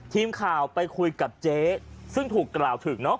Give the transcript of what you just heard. ทีมข่าวไปคุยกับเจ๊ซึ่งถูกกล่าวถึงเนาะ